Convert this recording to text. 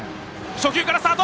初球からスタート！